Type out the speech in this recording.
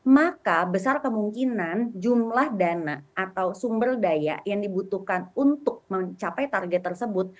maka besar kemungkinan jumlah dana atau sumber daya yang dibutuhkan untuk mencapai target tersebut